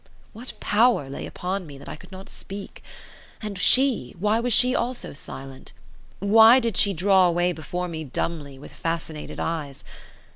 What power lay upon me that I could not speak? And she, why was she also silent? Why did she draw away before me dumbly, with fascinated eyes?